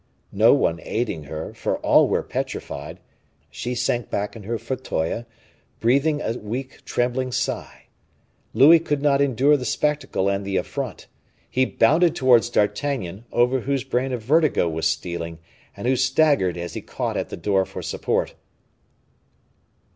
No one aiding her, for all were petrified, she sank back in her fauteuil, breathing a weak, trembling sigh. Louis could not endure the spectacle and the affront. He bounded towards D'Artagnan, over whose brain a vertigo was stealing and who staggered as he caught at the door for support.